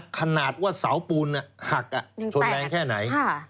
ขนาดว่าเสาปูนหักชนแรงแค่ไหน